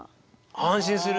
安心する？